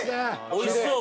おいしそう！